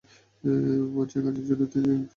মঞ্চে কাজের জন্য তিনি একটি টনি পুরস্কার অর্জন করেন।